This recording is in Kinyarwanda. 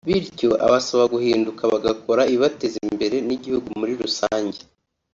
bityo abasaba guhinduka bagakora ibibateza imbere n’igihugu muri rusange